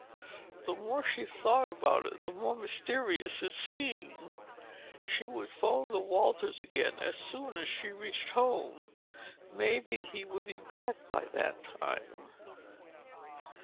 The more she thought about it, the more mysterious it seemed. She would phone the Walters again as soon as she reached home. Maybe he would be back by that time.